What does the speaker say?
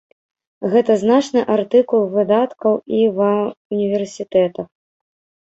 Гэта значны артыкул выдаткаў і ва ўніверсітэтах.